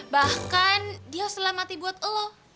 bahkan dia harus selamati buat lo